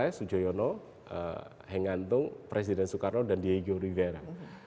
ada salai sujoyono hengantung presiden soekarno dan diego rivera